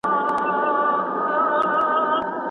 تاسي تل د خپلو دوستانو سره په پوره اخلاص کي اوسیږئ.